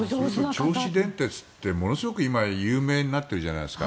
銚子電鉄ってものすごく今、有名になってるじゃないですか。